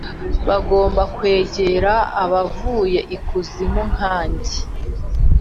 bagomba kwegera abavuye ikuzimu nka njye